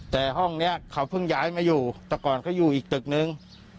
แต่ห้องนี้เขาเพิ่งย้ายมาอยู่แต่ก่อนเขาอยู่อีกตึกนึง